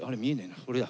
あこれだ。